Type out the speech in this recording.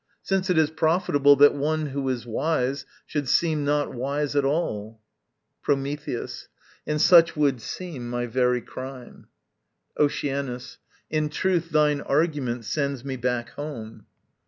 Since it is profitable that one who is wise Should seem not wise at all. Prometheus. And such would seem My very crime. Oceanus. In truth thine argument Sends me back home.